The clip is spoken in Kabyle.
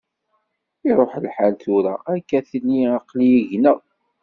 Iruḥ lḥal, tura akka tili aql-iyi gneɣ.